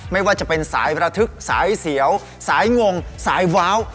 ไม่ว่าจะเป็นสายระทึกสายเสียวสายงงสายว้าว